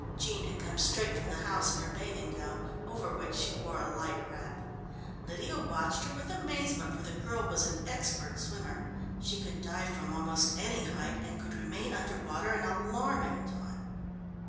Jean had come straight from the house in her bathing gown, over which she wore a light wrap. Lydia watched her with amazement, for the girl was an expert swimmer. She could dive from almost any height and could remain under water an alarming time.